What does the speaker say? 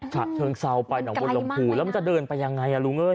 ถ้าเธอเศร้าไปหนังบัวลำภูแล้วจะเดินไปยังไงลุงเอ้ย